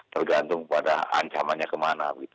tergantung pada ancamannya kemana